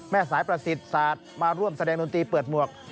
แม่สายประสิทธิ์ศาสตร์มาร่วมแสดงดนตรีเปิดหมวก